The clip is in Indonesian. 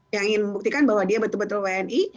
yang ingin membuktikan bahwa dia betul betul wni